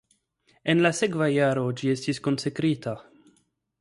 En la sekva jaro ĝi estis konsekrita.